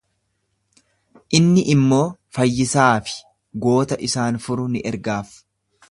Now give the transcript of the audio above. Inni immoo fayyisaa fi goota isaan furu ni ergaaf.